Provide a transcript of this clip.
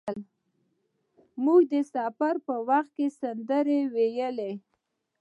موږ د سفر په وخت کې سندرې ویل.